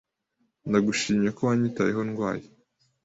Ndagushimye ko wanyitayeho ndwaye.